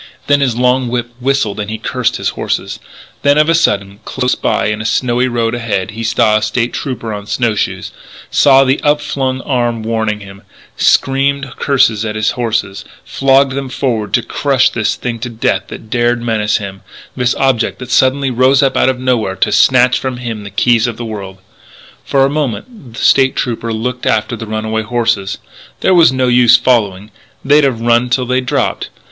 Then his long whip whistled and he cursed his horses. Then, of a sudden, close by in the snowy road ahead, he saw a State Trooper on snow shoes, saw the upflung arm warning him screamed curses at his horses, flogged them forward to crush this thing to death that dared menace him this object that suddenly rose up out of nowhere to snatch from him the keys of the world For a moment the State Trooper looked after the runaway horses. There was no use following; they'd have to run till they dropped.